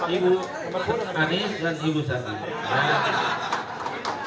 ibu anies dan ibu sasa